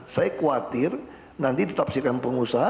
saya khawatir nanti tetap sirian pengusaha